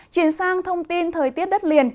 chuyển sang thông tin thời tiết đất liền